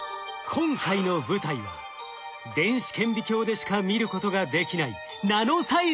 今回の舞台は電子顕微鏡でしか見ることができないナノサイズの世界。